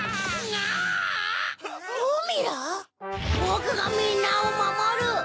ぼくがみんなをまもる！